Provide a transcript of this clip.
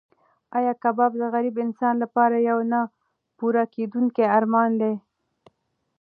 ایا کباب د غریب انسان لپاره یو نه پوره کېدونکی ارمان دی؟